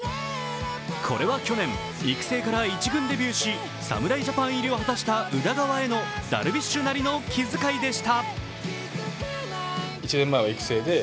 これは去年、育成から１軍デビューし侍ジャパン入りを果たした宇田川へのダルビッシュなりの気遣いでした。